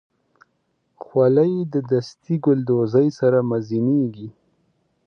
خولۍ د دستي ګلدوزۍ سره مزینېږي.